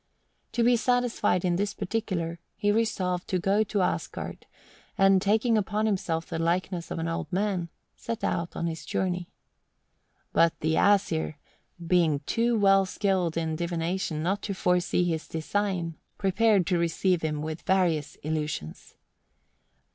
To be satisfied in this particular, he resolved to go to Asgard, and, taking upon himself the likeness of an old man, set out on his journey. But the Æsir, being too well skilled in divination not to foresee his design, prepared to receive him with various illusions.